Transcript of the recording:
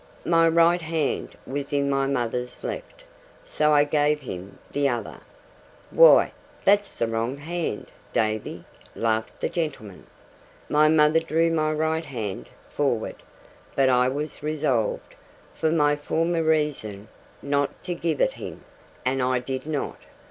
My right hand was in my mother's left, so I gave him the other. 'Why, that's the Wrong hand, Davy!' laughed the gentleman. My mother drew my right hand forward, but I was resolved, for my former reason, not to give it him, and I did not.